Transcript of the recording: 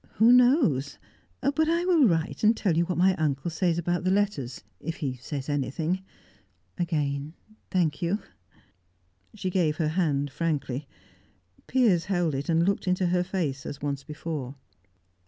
"Who knows? But I will write and tell you what my uncle says about the letters, if he says anything. Again, thank you!" She gave her hand frankly. Piers held it, and looked into her face as once before.